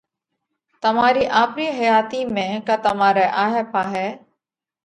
تمارِي آپرِي حياتِي ۾ ڪا تمارئہ آھئہ پاھئہ